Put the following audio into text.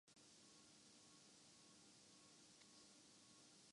یہ یونہی زبان سے نکل گیا